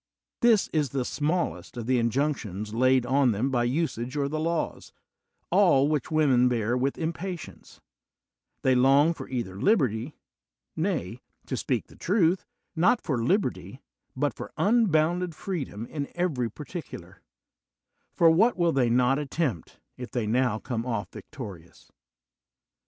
This is the smallest of the injunctions laid on them by usage or the laws, all which women bear with impatience: they long for either liberty — ^nay, to speak the truth, not for liberty, but for unbounded freedom in every particular; for what will they not attempt if they now come oflp victorious?